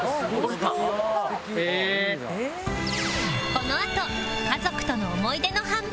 このあと家族との思い出のハンバーグ